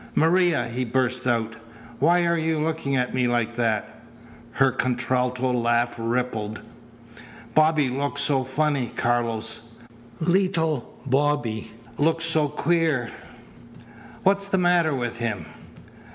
"Maria!" he burst out. "Why are you looking at me like that?" Her contralto laugh rippled. "Bobby looks so funny! Carlos! Leetle Bobby looks so queer! What is the matter with him?"